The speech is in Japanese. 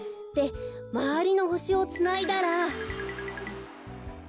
でまわりのほしをつないだら。